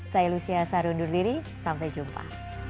saya lucia saru undur diri sampai jumpa